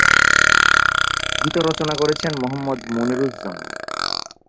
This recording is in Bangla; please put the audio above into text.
গীত রচনা করেছেন মোহাম্মদ মনিরুজ্জামান।